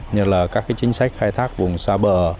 như là các chính sách khai thác vùng xa bờ